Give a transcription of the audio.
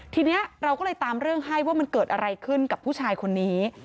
ทีนี้เราก็เลยตามเรื่องให้ว่ามันเกิดอะไรขึ้นกับผู้ชายคนนี้